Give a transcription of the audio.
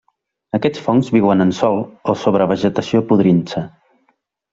Aquests fongs viuen el sòl o sobre vegetació podrint-se.